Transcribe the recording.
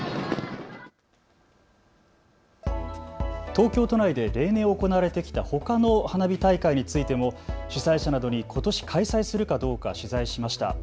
東京都内で例年行われてきたほかの花火大会についても主催者などにことし開催するかどうか取材しました。